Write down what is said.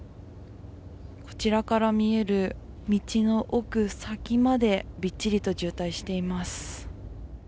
こちらから見える道の奥先までびっちりと渋滞しています。